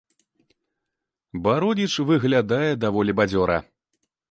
Бародзіч выглядае даволі бадзёра.